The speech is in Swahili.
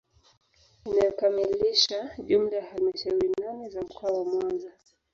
Inayokamilisha jumla ya halmashauri nane za mkoa wa Mwanza